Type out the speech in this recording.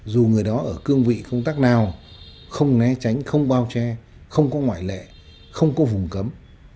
dù người đó ở cương vị công tác nào không né tránh không bao che không có ngoại lệ không có vùng cấm